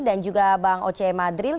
dan juga bang oce madril